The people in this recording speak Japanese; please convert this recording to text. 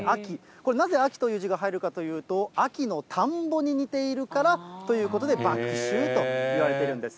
これ、なぜ秋という字が入るかというと、秋の田んぼに似ているからということで麦秋といわれているんです。